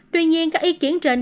tuy nhiên các ý kiến trên